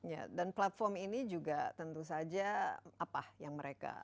ya dan platform ini juga tentu saja apa yang mereka